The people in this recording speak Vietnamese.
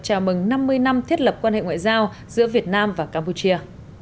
chào mừng năm mươi năm thiết lập quan hệ ngoại giao giữa việt nam và campuchia